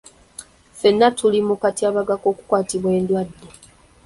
Ffenna tuli mu katyabaga k'okukwatibwa endwadde.